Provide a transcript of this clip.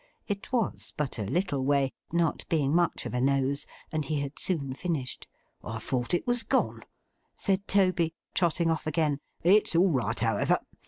It was but a little way (not being much of a nose) and he had soon finished. 'I thought it was gone,' said Toby, trotting off again. 'It's all right, however.